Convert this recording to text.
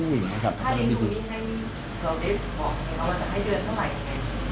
ถ้าเลี้ยงดูมีใครก็บอกให้เขาว่าจะให้เดินเท่าไหร่ไง